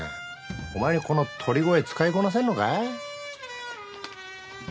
お前にこの鳥越使いこなせんのかい？